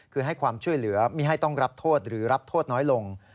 คือให้ความช่วยเหลือไม่ให้ต้องรับโทษหรือรับโทษน้อยลง